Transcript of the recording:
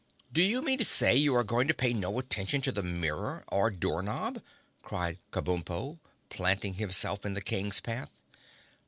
"Do you mean to say you are going to pay no attention to the mirror or door knob?" cried Kabumpo, planting himself in the King's path.